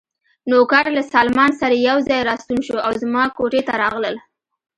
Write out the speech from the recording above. نوکر له سلمان سره یو ځای راستون شو او زما کوټې ته راغلل.